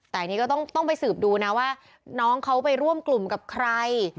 แต่อันนี้ก็ต้องไปสืบดูนะว่าน้องเขาไปร่วมกลุ่มกับใคร